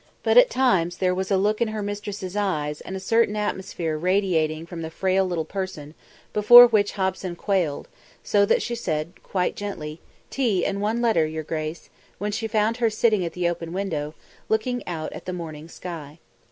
But at times there was a look in her mistress' eyes and a certain atmosphere radiating from the frail little person before which Hobson quailed, so that she said quite gently, "Tea and one letter, your grace," when she found her sitting at the open window, looking out at the morning sky.